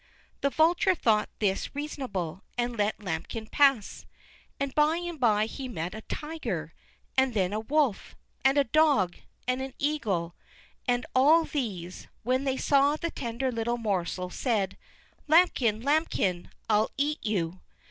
The vulture thought this reasonable, and let Lambikin pass. And by and by he met a tiger, and then a wolf, and a dog, and an eagle; and all these, when they saw the tender little morsel, said: "Lambikin! Lambikin! I'll EAT YOU!"